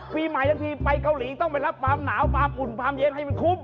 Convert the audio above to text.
ปีใหม่ทั้งทีไปเกาหลีต้องไปรับความหนาวความอุ่นความเย็นให้มันคุ้ม